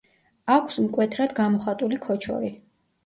აქვს მკვეთრად გამოხატული ქოჩორი.